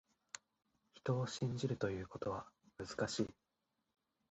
人を信じるということは、難しい。